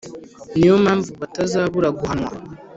ni yo mpamvu batazabura guhanwa